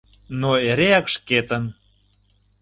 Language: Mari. Но эреак шкетын!